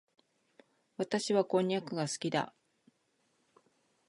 私はこんにゃくが好きだ。